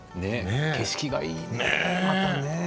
景色がいいね。